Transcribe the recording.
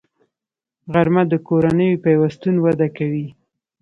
غرمه د کورنیو پیوستون وده کوي